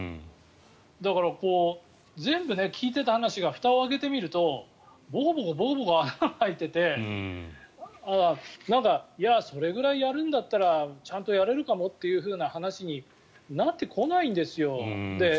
だから、全部聞いていた話がふたを開けてみるとボコボコボコボコ穴が開いていてそれぐらいやるんだったらちゃんとやれるかもっていう話になってこないんですよ。